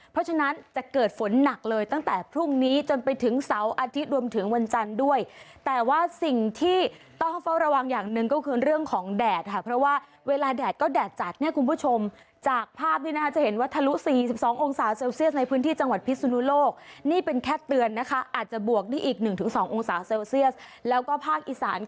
เพราะฉะนั้นจะเกิดฝนหนักเลยตั้งแต่พรุ่งนี้จนไปถึงเสาร์อาทิตย์รวมถึงวันจันทร์ด้วยแต่ว่าสิ่งที่ต้องเฝ้าระวังอย่างหนึ่งก็คือเรื่องของแดดค่ะเพราะว่าเวลาแดดก็แดดจัดเนี่ยคุณผู้ชมจากภาพนี้นะคะจะเห็นว่าทะลุ๔๒องศาเซลเซียสในพื้นที่จังหวัดพิศนุโลกนี่เป็นแค่เตือนนะคะอาจจะบวกได้อีก๑๒องศาเซลเซียสแล้วก็ภาคอีสาน